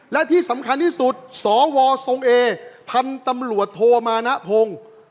และที่สำคัญที่สุดสวทรงเอพันธุ์ตำรวจโทมานะพงศ์